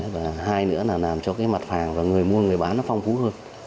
và hai nữa là làm cho cái mặt hàng và người mua người bán nó phong phú hơn